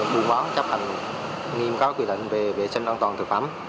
buôn bán chấp hành nghiêm các quy định về vệ sinh an toàn thực phẩm